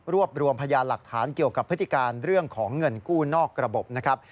รวมรวมพยานหลักฐานเกี่ยวกับพฤติการเรื่องของเงินกู้นอกระบบนะครับ